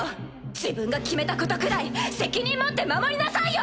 自分が決めたことくらい責任持って守りなさいよ！